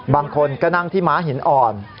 บางคนก็นั่งที่ม้าหินอ่อน